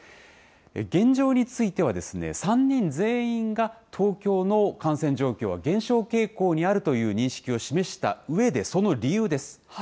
現状については、３人全員が、東京の感染状況は減少傾向にあるという認識を示したうえで、その理由です。